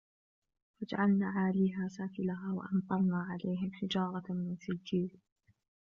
فَجَعَلْنَا عَالِيَهَا سَافِلَهَا وَأَمْطَرْنَا عَلَيْهِمْ حِجَارَةً مِنْ سِجِّيلٍ